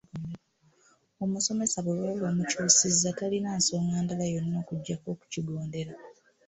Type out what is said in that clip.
Omusomesa bwe baba bamukyusizza talina nsonga ndala yonna okuggyako okukigondera.